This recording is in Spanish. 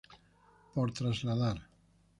Por trasladar.